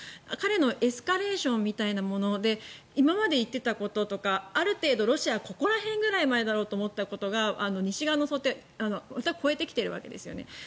彼のエスカレーションみたいなもので今まで行ってきたこととかある程度、ロシアはここら辺だろうと思っていたところを超えてきているわけですね。